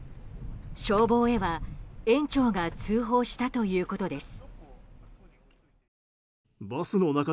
消防へは園長が通報したということです。